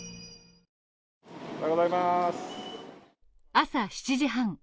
朝７時半。